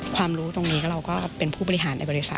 รู้ตรงนี้เราก็เป็นผู้บริหารในบริษัท